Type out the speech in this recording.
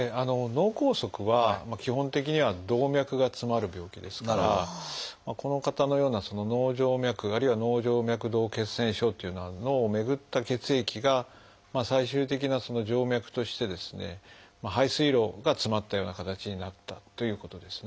脳梗塞は基本的には動脈が詰まる病気ですからこの方のような脳静脈あるいは脳静脈洞血栓症っていうのは脳を巡った血液が最終的な静脈として排水路が詰まったような形になったということですね。